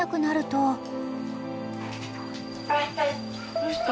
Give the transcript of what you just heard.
どうした？